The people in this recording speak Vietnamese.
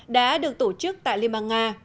đã được tổ chức tại liên bang nga